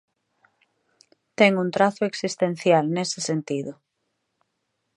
Ten un trazo existencial, nese sentido.